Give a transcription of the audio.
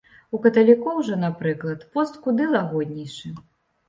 У каталікоў жа, напрыклад, пост куды лагоднейшы.